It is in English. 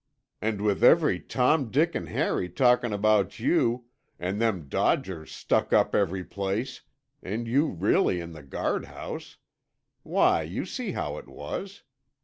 And with every Tom, Dick 'n' Harry talkin' about you, and them dodgers stuck up every place, and you really in the guardhouse—why, you see how it was.